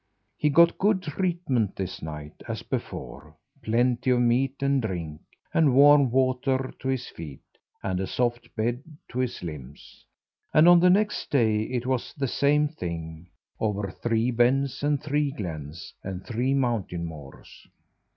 He got good treatment this night, as before plenty of meat and drink, and warm water to his feet, and a soft bed to his limbs and on the next day it was the same thing, over three Bens and three Glens, and three Mountain Moors.